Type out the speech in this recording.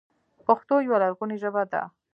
پښتو یوه لرغونې ژبه ده